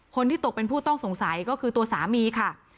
คนที่ตกเป็นผู้ต้องสงสัยก็คือตัวสามีค่ะ